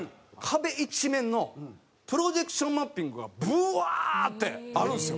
壁一面のプロジェクションマッピングがブワーッてあるんですよ。